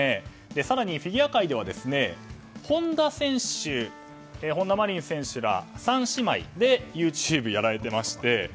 更にフィギュア界では本田真凜選手ら３姉妹でＹｏｕＴｕｂｅやられていまして。